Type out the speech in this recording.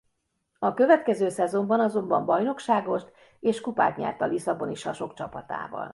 A következő szezonban azonban bajnokságot és kupát nyert a Lisszaboni Sasok csapatával.